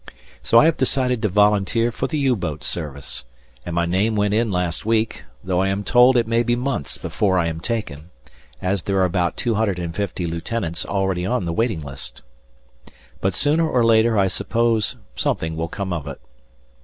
So I have decided to volunteer for the U boat service, and my name went in last week, though I am told it may be months before I am taken, as there are about 250 lieutenants already on the waiting list. But sooner or later I suppose something will come of it.